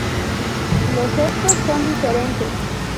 Los sexos son diferentes.